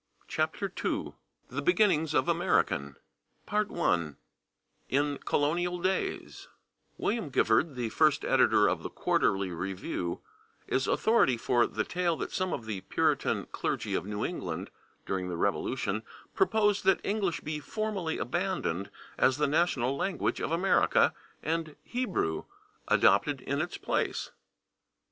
[Pg036] II The Beginnings of American § 1 /In Colonial Days/ William Gifford, the first editor of the /Quarterly Review/, is authority for the tale that some of the Puritan clergy of New England, during the Revolution, proposed that English be formally abandoned as the national language of America, and Hebrew adopted in its place.